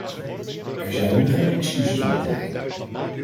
Er zijn nu geen excuses mogelijk.